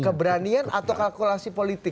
keberanian atau kalkulasi politik